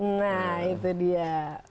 nah itu dia